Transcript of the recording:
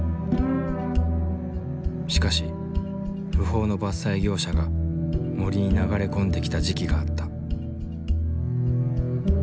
しかし不法の伐採業者が森に流れ込んできた時期があった。